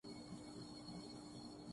تلوار دروازے کی لکڑی میں جا لگی